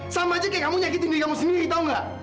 sama aja kayak kamu nyakitin diri kamu sendiri tau gak